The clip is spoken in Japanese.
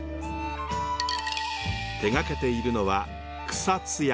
手がけているのは草津焼。